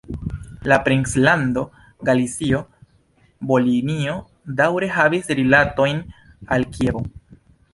La princlando Galicio-Volinio daŭre havis rilatojn al Kievo.